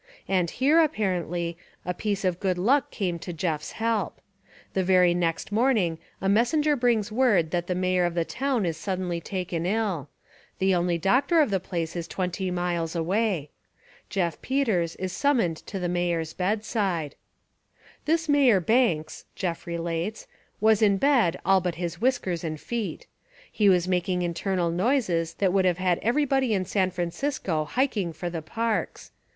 And here, apparently, a piece of good luck came to Jeff's help. The very next morning a messenger brings word that the Mayor of the town Is suddenly taken 111. The only doctor of the place Is twenty miles away. Jeff Peters Is summoned to the Mayor's bedside. ... "This Mayor Banks," Jeff relates, "was In bed all but his whiskers and feet. He was making Internal noises that would have had everybody In San Francisco hiking for the parks.